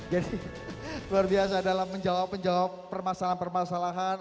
jadi luar biasa dalam menjawab menjawab permasalahan permasalahan